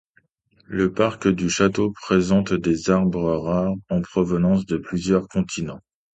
Le parc du château présente des arbres rares en provenance de plusieurs continents.